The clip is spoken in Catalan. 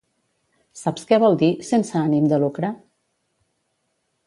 Saps què vol dir "sense ànim de lucre"?